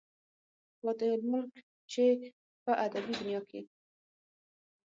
فاتح الملک، چې پۀ ادبي دنيا کښې